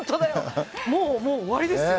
もう終わりですよ。